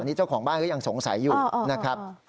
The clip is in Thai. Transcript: นี่เจ้าของบ้านก็ยังสงสัยอยู่นะครับ